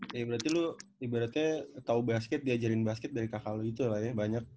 ya berarti lu ibaratnya tau basket diajarin basket dari kakak lu itulah ya banyak